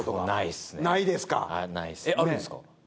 あるんすか？